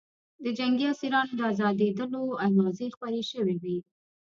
د جنګي اسیرانو د ازادېدلو اوازې خپرې شوې وې